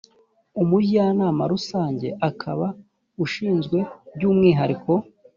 umujyanama rusange akaba ashinzwe by umwihariko